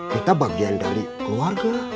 kita bagian dari keluarga